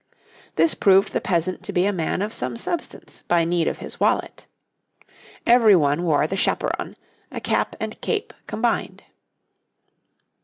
This proved the peasant to be a man of some substance by need of his wallet. Everyone wore the chaperon a cap and cape combined.